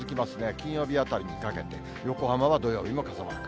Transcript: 金曜日あたりにかけて、横浜は土曜日も傘マーク。